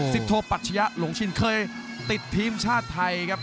โทปัชยะหลงชินเคยติดทีมชาติไทยครับ